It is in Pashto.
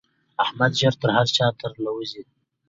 احمد ژر تر هر چا تر له وزي.